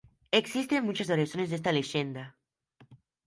Existen muchas variaciones de esta leyenda.